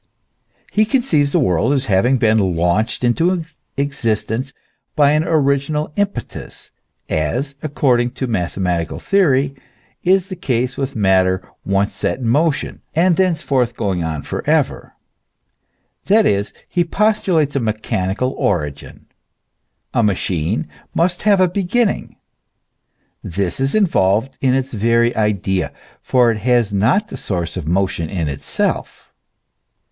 He conceives the world as having been launched into existence by an original impetus, as, according to mathematical theory, is the case with matter once set in motion and thenceforth going on for ever : that is, he postulates a mechanical origin A machine must have a beginning ; this is involved in its very idea ; for it has not the source of motion in itself.